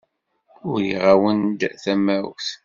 Uriɣ-awen-d tamawt.